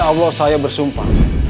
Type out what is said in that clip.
demi allah saya bersumpah